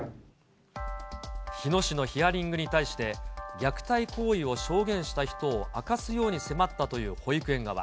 日野市のヒアリングに対して、虐待行為を証言した人を明かすように迫ったという保育園側。